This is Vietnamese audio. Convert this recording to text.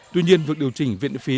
tuy nhiên việc điều chỉnh viện phí